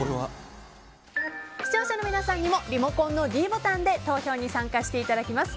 視聴者の皆さんにもリモコンのｄボタンで投票に参加していただきます。